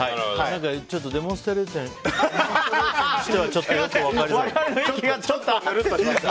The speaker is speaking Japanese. ちょっとデモンストレーションにしてはちょっとよく分かりづらい。